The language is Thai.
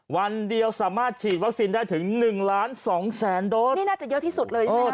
วันเดียวสามารถฉีดวัคซีนได้ถึงหนึ่งล้านสองแสนโดสนี่น่าจะเยอะที่สุดเลยใช่ไหม